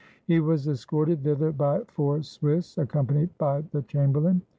He was escorted thither by four Swiss, accompanied by the chamberlain.